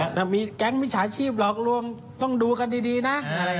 ถ้ามีแก๊งมิจฉาชีพหลอกลวงต้องดูกันดีนะ